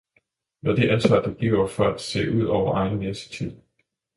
Med det ansvar, det giver for at se ud over egen næsetip.